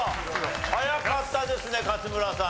早かったですね勝村さん。